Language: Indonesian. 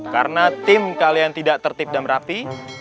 karena tim kalian tidak tertib dan rapi